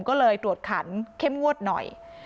ก็เลยตรวจขันเข้มงวดหน่อย